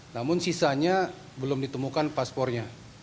namun sisanya belum ditemukan paspornya